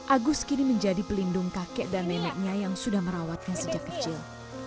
agus kini menjadi pelindung kakek dan neneknya yang sudah merawatnya sejak kecil